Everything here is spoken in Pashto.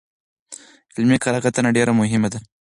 علمي کره کتنه ډېره مهمه ده.